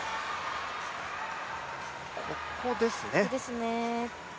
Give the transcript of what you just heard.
ここですね。